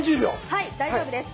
はい大丈夫です。